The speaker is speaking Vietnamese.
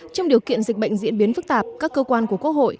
trong điều kiện dịch bệnh diễn biến phức tạp các cơ quan của quốc hội